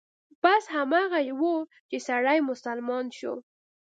بس هماغه و چې سړى مسلمان شو.